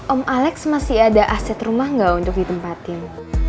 om alex masih ada aset rumah nggak untuk ditempatin